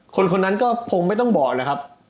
คนนั้นก็ผมไม่ต้องบอกเลยครับ